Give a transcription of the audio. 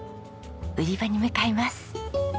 売り場に向かいます。